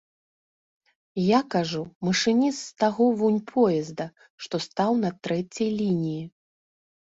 Я, кажу, машыніст з таго вунь поезда, што стаў на трэцяй лініі.